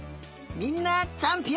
みんなちゃんぴ